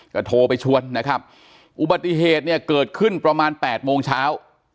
ก็โทรไปชวนนะครับอุบัติเหตุเนี่ยเกิดขึ้นประมาณ๘โมงเช้า